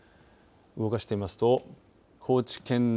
動かしてみますと高知県内